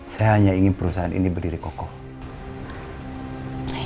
saya hanya ingin perusahaan ini berdiri kokoh